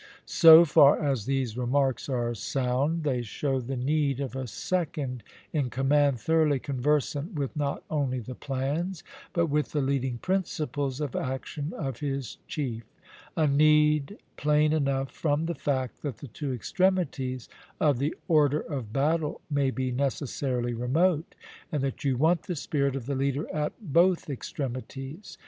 So far as these remarks are sound, they show the need of a second in command thoroughly conversant with not only the plans, but with the leading principles of action of his chief, a need plain enough from the fact that the two extremities of the order of battle may be necessarily remote, and that you want the spirit of the leader at both extremities.